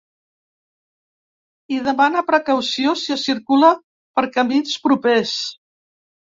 I demana precaució si es circula per camins propers.